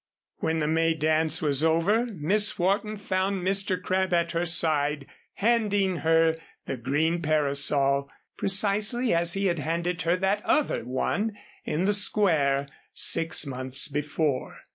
When the May dance was over, Miss Wharton found Mr. Crabb at her side handing her the green parasol precisely as he had handed her that other one in the Square six months before.